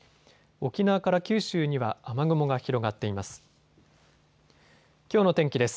沖縄から九州には雨雲が広がっています。